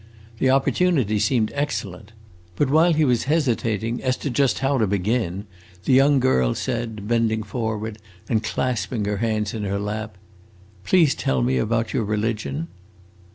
The opportunity seemed excellent. But while he was hesitating as to just how to begin, the young girl said, bending forward and clasping her hands in her lap, "Please tell me about your religion."